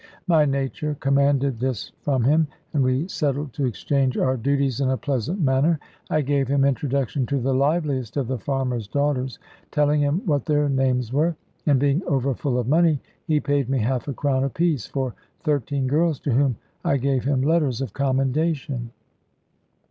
My nature commanded this from him; and we settled to exchange our duties in a pleasant manner. I gave him introduction to the liveliest of the farmers' daughters, telling him what their names were. And being over full of money, he paid me half a crown apiece, for thirteen girls to whom I gave him letters of commendation.